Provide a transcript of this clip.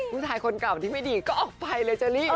ผู้ชายคนเก่าที่ไม่ดีก็ออกไปเลยเจอรี่